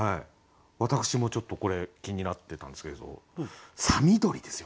私もちょっとこれ気になってたんですけどさ緑ですよ。